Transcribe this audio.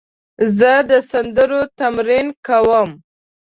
زه د سندرو تمرین کوم.